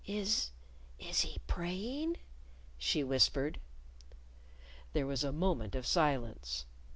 "Is is he praying?" she whispered. There was a moment of silence.